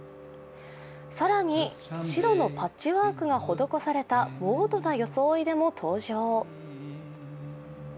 更に白のパッチワークが施されたモードな装いでも登場。